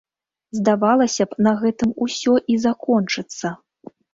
Здавалася б, на гэтым усё і закончыцца.